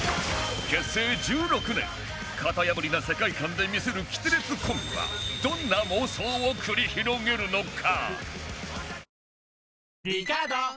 結成１６年型破りな世界観で見せる奇天烈コンビはどんな妄想を繰り広げるのか？